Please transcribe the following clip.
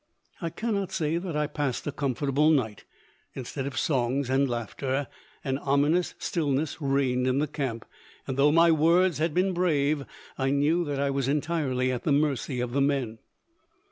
I cannot say that I passed a comfortable night. Instead of songs and laughter, an ominous stillness reigned in the camp, and, though my words had been brave, I knew that I was entirely at the mercy of the men.